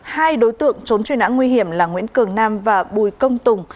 hai đối tượng trốn truy nã nguy hiểm là nguyễn cường nam và bùi công tùng